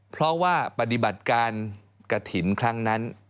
เพราะว่าปฏิบัติการกระถิ่นครั้งนั้น